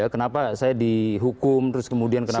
kenapa saya dihukum terus kemudian kenapa